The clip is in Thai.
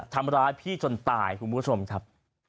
ทำร้ายพี่จนตายคุณผู้ชมครับ